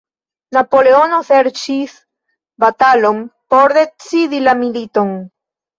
Napoleono serĉis batalon por decidi la militon.